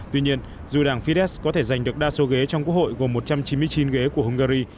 tuy nhiên dù đảng fidesh có thể giành được đa số ghế trong quốc hội gồm một trăm chín mươi chín ghế của hungary